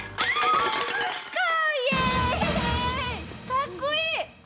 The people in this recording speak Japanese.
かっこいい！